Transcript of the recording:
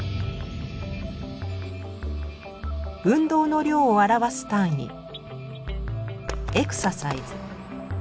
運動の量を表す単位エクササイズ。